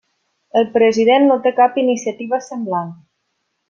El president no té cap iniciativa semblant.